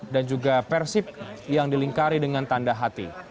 dan juga persib yang dilingkari dengan tanda hati